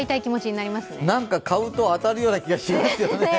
なんか買うと当たるような気がしますよね。